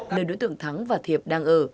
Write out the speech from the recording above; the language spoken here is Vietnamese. nơi đối tượng thắng và thiệp đang ở